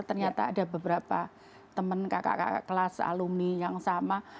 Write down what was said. ternyata ada beberapa teman kakak kakak kelas alumni yang sama